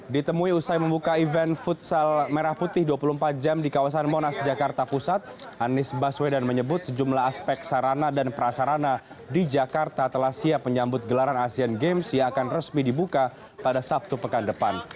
ditemui usai membuka event futsal merah putih dua puluh empat jam di kawasan monas jakarta pusat anies baswedan menyebut sejumlah aspek sarana dan prasarana di jakarta telah siap menyambut gelaran asean games yang akan resmi dibuka pada sabtu pekan depan